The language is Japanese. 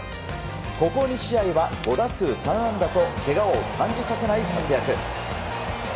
ここ２試合は５打数３安打とけがを感じさせない活躍。